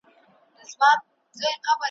زه پر وزر باندي ویشتلی زاڼی ,